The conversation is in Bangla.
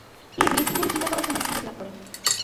তিনি ধীরস্থির মনে চিন্তা করার সময় সুযোগ লাভ করেন।